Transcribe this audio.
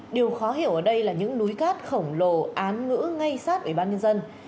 điều khó hiểu ở đây là những núi cát khổng lồ án ngữ ngay sát ủy ban nhân dân